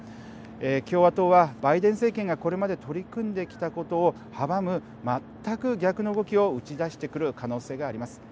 共和党はバイデン政権がこれまで取り組んできたことを阻む全く逆の動きを打ち出してくる可能性があります。